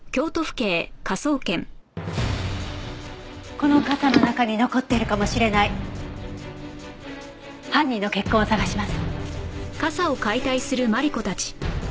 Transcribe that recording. この傘の中に残っているかもしれない犯人の血痕を探します。